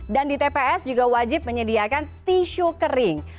dan di tps juga wajib menyediakan tisu kering